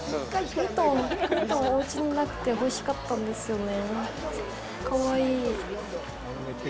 ミトン、おうちになくて、欲しかったんですよね。